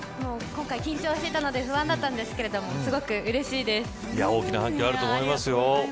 緊張していたので不安だったんですけど大きな反響があると思いますよ。